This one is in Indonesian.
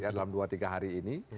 dalam dua tiga hari ini